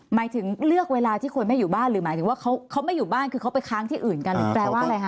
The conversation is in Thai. หมายถึงเลือกเวลาที่คนไม่อยู่บ้านหรือหมายถึงว่าเขาไม่อยู่บ้านคือเขาไปค้างที่อื่นกันหรือแปลว่าอะไรคะ